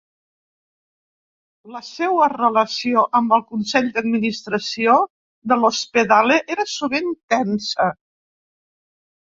La seua relació amb el consell d'administració de l'Ospedale era sovint tensa.